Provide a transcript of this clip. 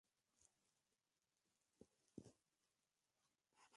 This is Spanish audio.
De hecho, Fodor se acredita famoso diciendo "No hay computación sin representación".